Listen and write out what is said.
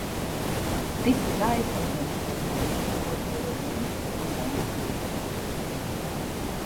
This relies on dynastic marriage to hold together the links between dynasties.